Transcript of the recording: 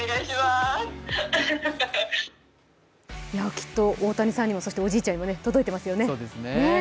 きっと大谷さんにも、そしておじいちゃんにも届いていますよね。